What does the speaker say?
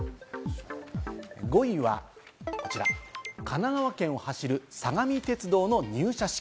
５位は神奈川県を走る相模鉄道の入社式。